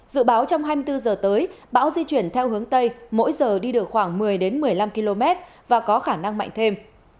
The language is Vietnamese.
dự báo trong hai mươi bốn h tới bão di chuyển theo hướng tây mỗi giờ đi được khoảng một mươi một mươi năm km và có khả năng mạnh thêm